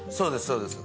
そうです